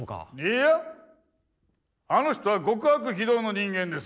いやあの人は極悪非道の人間です。